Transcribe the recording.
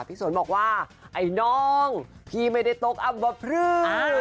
สนบอกว่าไอ้น้องพี่ไม่ได้ตกอัมปพลึก